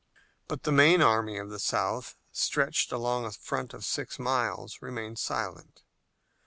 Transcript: But the main army of the South, stretched along a front of six miles, remained silent.